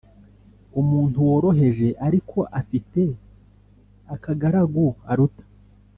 Umuntu woroheje ariko afite akagaragu Aruta